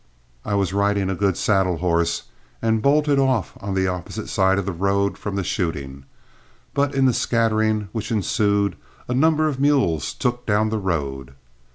I was riding a good saddle horse and bolted off on the opposite side of the road from the shooting; but in the scattering which ensued a number of mules took down the road.